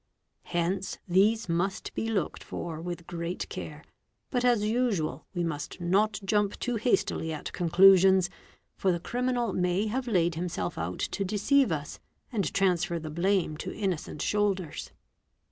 Hence these must be looked for with great care, but as usual we must not jump too hastily at conclusions, for the criminal may have laid himself out to deceive us and transfer the blame to innocent shoulders.